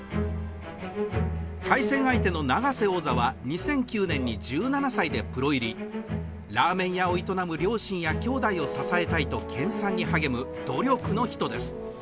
対戦相手の永瀬王座は２００９年に１７歳でプロ入りラーメン屋を営む両親や兄弟を支えたいと研さんに励む努力の人です。